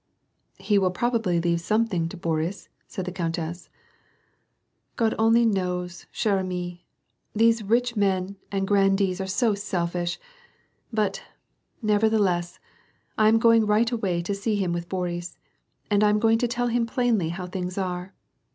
"He will probably leave something to Boris," said the coaiitesif. "God only knows, cMre arnief These rich men and grandees are so selfish ! But, nevertheless, I am going right away to see hiin with Boris, and I am going to tell him plainly how things are.